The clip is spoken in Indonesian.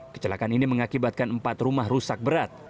kecelakaan ini mengakibatkan empat rumah rusak berat